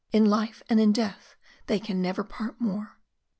In life and in death they can never part more."